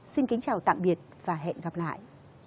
xin kính chào tạm biệt và hẹn gặp lại